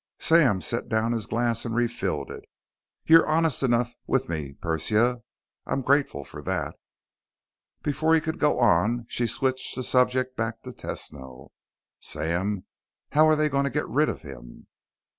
Sam set down his glass and refilled it. "You're honest enough with me, Persia. I'm grateful for that." Before he could go on, she switched the subject back to Tesno. "Sam, how are they going to get rid of him?"